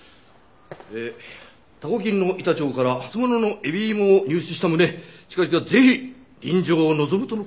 多幸金の板長から初物の海老芋を入手した旨近々ぜひ臨場を望むとの事。